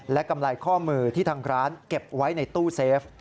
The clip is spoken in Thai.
และกำไรข้อมือที่ทางร้านเก็บไว้ในตู้เซฟ